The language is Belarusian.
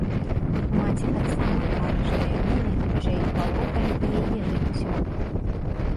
Маці таксама кажа, што яго, найхутчэй, палохалі і яе жыццём.